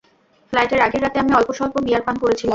ফ্লাইটের আগের রাতে আমি অল্পস্বল্প বিয়ার পান করেছিলাম।